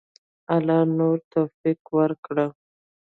الله نور توفیق ورکړه.